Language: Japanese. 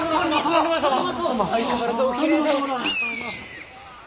相変わらずおきれいで。